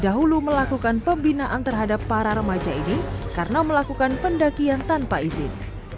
dahulu melakukan pembinaan terhadap para remaja ini karena melakukan pendakian tanpa izin